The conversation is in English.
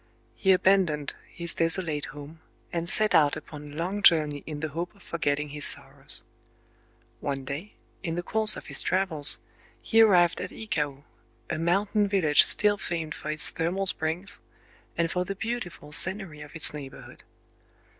He abandoned his desolate home, and set out upon a long journey in the hope of forgetting his sorrows. One day, in the course of his travels, he arrived at Ikao,—a mountain village still famed for its thermal springs, and for the beautiful scenery of its neighborhood.